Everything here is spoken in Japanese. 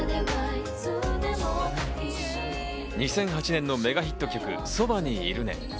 ２００８年のメガヒット曲『そばにいるね』。